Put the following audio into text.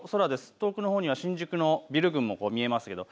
遠くのほうには新宿のビル群も見えますけど。